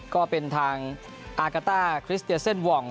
ก็เป็นทางอากาต้าคริสเตียเซนวอง